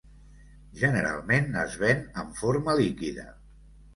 Generalment es ven en forma líquida.